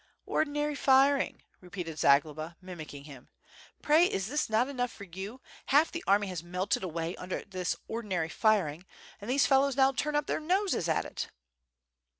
"Ordinary firing," repeated Zagloba, mimicking him; "pray is not this enough for you, half the army has melted away imder this ordinary firing, and these fellows now turn up their noses at it."